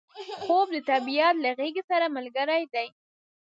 خوب د طبیعت له غیږې سره ملګری دی